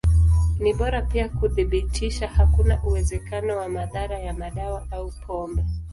Ni bora pia kuthibitisha hakuna uwezekano wa madhara ya madawa au pombe.